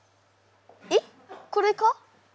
えっこれか？